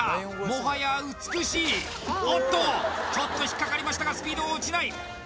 もはや美しいおっとちょっと引っかかりましたがスピードは落ちない